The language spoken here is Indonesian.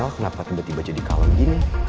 kenapa tiba tiba jadi kalau gitu